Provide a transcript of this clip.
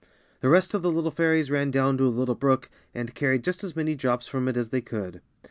The rest of the little fairies ran down to a little brook and carried just as many drops from it as they could.